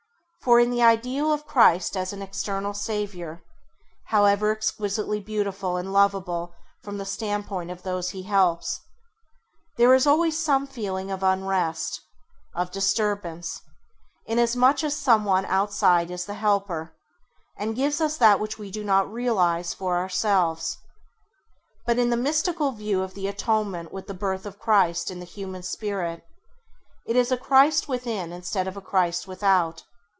For in the ideal of Christ as an external Saviour, however exquisitely beautiful and lovable from the standpoint of those He helps, there is always some feeling of unrest, of disturbance, inasmuch as some one outside is the Helper, and gives us that which we do not realise for ourselves. But in the mystical view of the Atonement with the birth of Christ in the human Spirit, it is a Christ within instead of a Christ without.